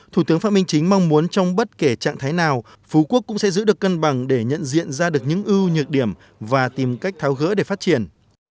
thủ tướng phạm minh chính mong muốn trong bất kể trạng thái nào phú quốc cũng sẽ giữ được cân bằng để nhận diện ra được những ưu nhược điểm và tìm cách tháo gỡ để phát triển